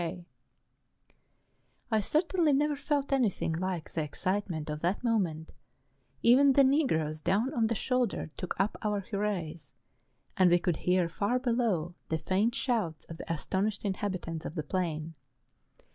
hurrah ! I certainly never felt anything like the excite¬ ment of that moment, even the Negroes down on the shoulder took up our hurrahs; and we could hear far below, the faint shouts of the astonished inhabitants of the plain.